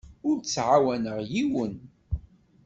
Ur ttɛawaneɣ yiwen.